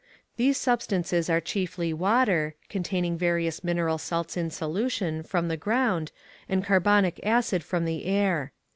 These substances are chiefly water, containing various mineral salts in solution, from the ground, and carbonic acid from the air.